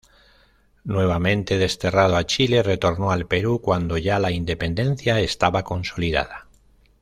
Nuevamente desterrado a Chile, retornó al Perú cuando ya la independencia estaba consolidada.